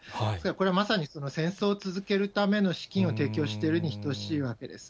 これ、まさに戦争を続けるための資金を提供しているに等しいわけです。